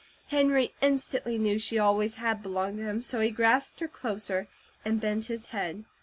Henry instantly knew she always had belonged to him, so he grasped her closer, and bent his head.